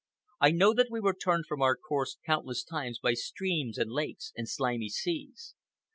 I know that we were turned from our course countless times by streams and lakes and slimy seas.